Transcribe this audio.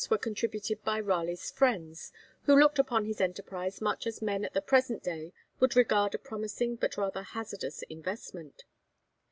_ were contributed by Raleigh's friends, who looked upon his enterprise much as men at the present day would regard a promising but rather hazardous investment.